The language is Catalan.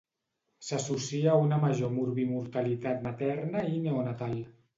S'associa a una major morbimortalitat materna i neonatal.